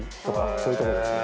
そういうとこですね。